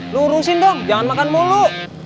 lu urusin dong jangan makan mulu